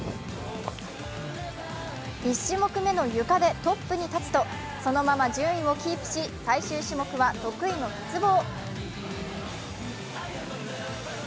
１種目目のゆかでトップに立つとそのまま順位をキープし最終種目は得意の鉄棒。